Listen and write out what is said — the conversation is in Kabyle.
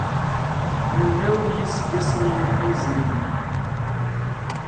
Mennaw n iseggasen i yezrin.